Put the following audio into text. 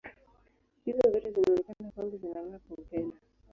Hizo zote zinaonekana kwangu zinang’aa kwa upendo.